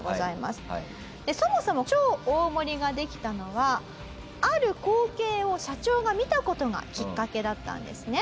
そもそも超大盛ができたのはある光景を社長が見た事がきっかけだったんですね。